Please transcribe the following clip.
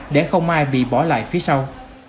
để không ai bị bỏ lại phía sau